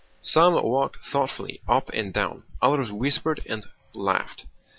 Some walked thoughtfully up and down, others whispered and laughed.